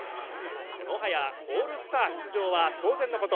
もはやオールスター出場は当然のこと。